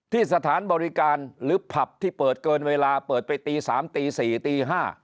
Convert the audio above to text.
สถานบริการหรือผับที่เปิดเกินเวลาเปิดไปตี๓ตี๔ตี๕